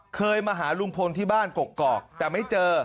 เคยมาหาลุงพลที่บ้านกกอกแต่ไม่เจอ